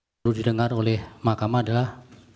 yang perlu didengar oleh makam adalah